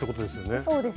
そうですね。